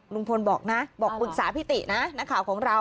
ลุงพลบอกนะบอกปรึกษาพี่ตินะนักข่าวของเรา